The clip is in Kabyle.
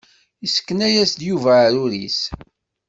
Isekna-yas-d Yuba aɛrur-is.